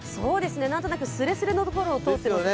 なんとなくすれすれのところを通ってますね。